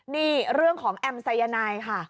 นี่เรื่องของแอมสายนายค่ะ